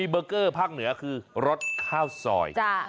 เบอร์เกอร์ภาคเหนือคือรสข้าวซอย